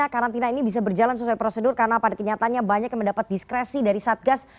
karantina ini bisa berjalan sesuai prosedur karena pada kenyataannya banyak yang mendapat diskresi dari satgas